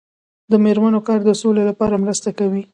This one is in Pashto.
د میرمنو کار د سولې لپاره مرسته کوي.